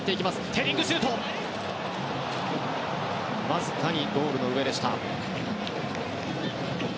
わずかにゴールの上でした。